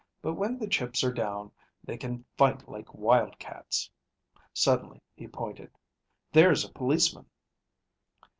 But when the chips are down, they can fight like wildcats." Suddenly he pointed. "There's a policeman."